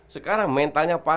sekarang mentalnya parah ya